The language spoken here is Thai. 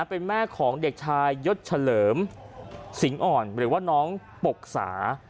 เป็นแม่ของเด็กชายยศเฉลิมสิงห์อ่อนหรือว่าน้องปกสา